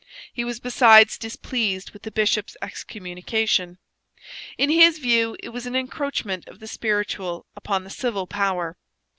He was besides displeased with the bishop's excommunication. In his view it was an encroachment of the spiritual upon the civil power.